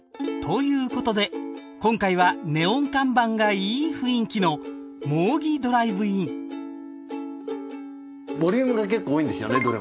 ということで今回はネオン看板がいい雰囲気のモウギドライブインボリュームが結構多いんですよね？